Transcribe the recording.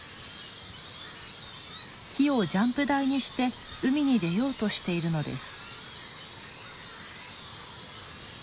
木をジャンプ台にして海に出ようとしているのです。